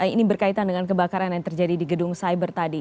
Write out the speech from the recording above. ini berkaitan dengan kebakaran yang terjadi di gedung cyber tadi